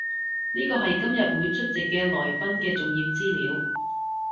呢個係今日會出席嘅來賓嘅重要資料